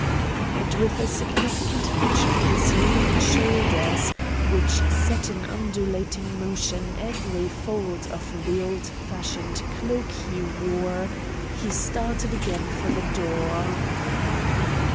And with a significant hitch of his lean shoulders which set in undulating motion every fold of the old fashioned cloak he wore, he started again for the door.